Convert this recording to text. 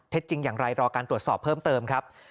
จริงอย่างไรรอการตรวจสอบเพิ่มเติมครับ